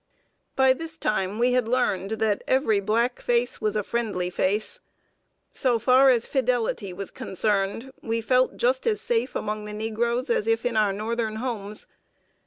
By this time we had learned that every black face was a friendly face. So far as fidelity was concerned, we felt just as safe among the negroes as if in our Northern homes.